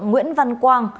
nguyễn văn quang